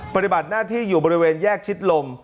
ปฏิบัติหน้าที่อยู่บริเวณแยกชิดลม